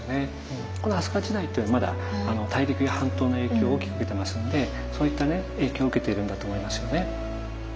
この飛鳥時代っていうのはまだ大陸や半島の影響を大きく受けてますんでそういったね影響を受けているんだと思いますよね。